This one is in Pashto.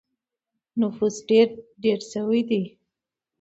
نفوس ډېر شوی دی.